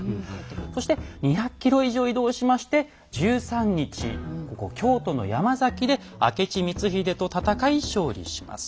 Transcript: そして２００ｋｍ以上移動しまして１３日京都の山崎で明智光秀と戦い勝利します。